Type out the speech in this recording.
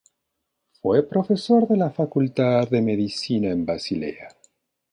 Fue profesor en la facultad de Medicina en Basilea.